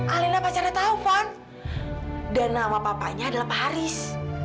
alena pacarnya tau van dan nama papanya adalah pak haris